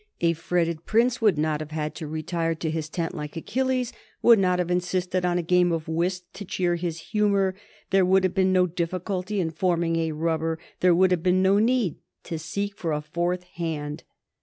A fretted Prince would not have had to retire to his tent like Achilles, would not have insisted on a game of whist to cheer his humor. There would have been no difficulty in forming a rubber. There would have been no need to seek for a fourth hand.